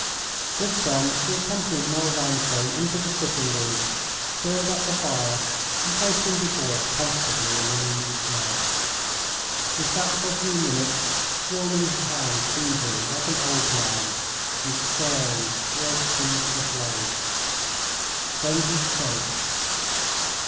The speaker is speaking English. This done, she accompanied Noel Vanstone into the sitting room, stirred up the fire, and placed him before it comfortably in an easy chair. He sat for a few minutes, warming his hands feebly like an old man, and staring straight into the flame. Then he spoke.